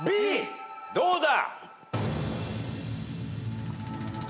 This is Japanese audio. どうだ？